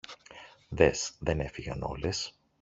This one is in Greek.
Δες, δεν έφυγαν όλες